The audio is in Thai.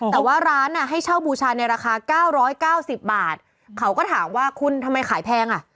แต่ว่าร้านให้เช่าบูชาในราคา๙๙๐บาทเขาก็ถามว่าคุณทำไมขายแพงอ่ะ